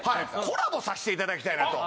コラボさしていただきたいなと。